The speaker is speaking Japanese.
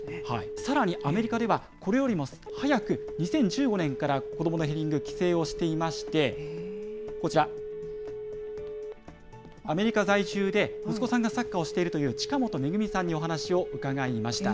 さらにアメリカでは、これよりも早く２０１５年からこどものヘディング、規制をしていまして、こちら、アメリカ在住で息子さんがサッカーをしているという近本めぐみさんにお話を伺いました。